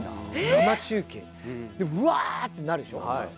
生中継。でワーッてなるでしょ？